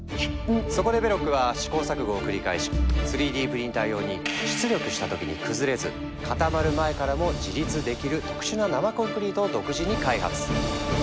そこでベロックは試行錯誤を繰り返し３Ｄプリンター用に出力した時に崩れず固まる前からも自立できる特殊な生コンクリートを独自に開発。